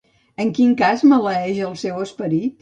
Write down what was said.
En quin cas maleeix el seu esperit?